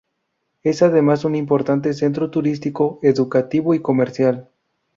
Es además un importante centro turístico, educativo y comercial.